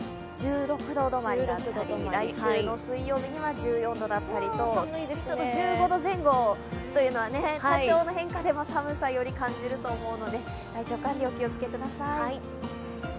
１６度止まりだったり、来週の水曜日には１４度だったりと、１５度前後というのは多少の変化でも寒さをより感じると思うので体調管理、お気をつけください。